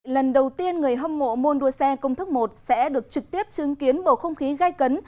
lần đầu tiên người hâm mộ môn đua xe công thức một sẽ được trực tiếp chứng kiến bầu không khí gai cấn